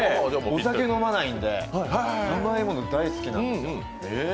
お酒飲まないんで、甘いもの大好きなんですよ。